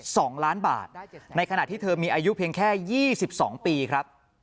สองล้านบาทในขณะที่เธอมีอายุเพียงแค่ยี่สิบสองปีครับ